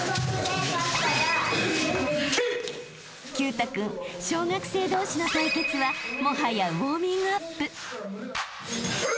［毬太君小学生同士の対決はもはやウオーミングアップ］